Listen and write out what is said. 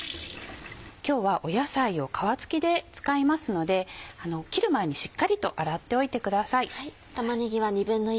今日は野菜を皮つきで使いますので切る前にしっかりと洗っておいてください。